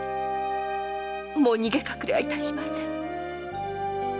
もう逃げ隠れはいたしません。